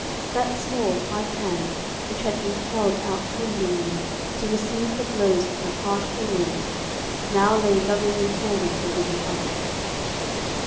That small, white hand, which had been held out tremblingly, to receive the blows of the harsh ferule, now lay lovingly folded within the other.